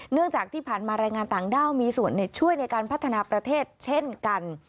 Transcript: เนื่องจากที่ผ่านมาแรงงานต่างด้าวมีส่วนช่วยในการพัฒนาประเทศเช่นกัน